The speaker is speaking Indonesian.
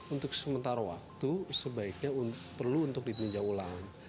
untuk sementara waktu sebaiknya perlu untuk ditinjau ulang